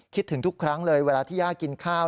ถึงทุกครั้งเลยเวลาที่ย่ากินข้าว